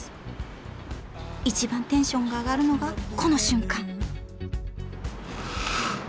一番テンションが上がるのがこの瞬間！